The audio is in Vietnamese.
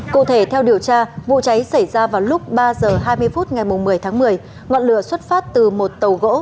cụ thể theo điều tra vụ cháy xảy ra vào lúc ba h hai mươi phút ngày một mươi tháng một mươi ngọn lửa xuất phát từ một tàu gỗ